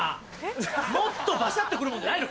もっとバシャって来るもんじゃないの？